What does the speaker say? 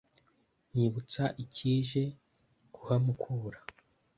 nyibutsa icyije kuhamukura